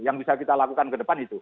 yang bisa kita lakukan ke depan itu